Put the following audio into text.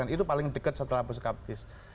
itu paling dekat setelah puskaptis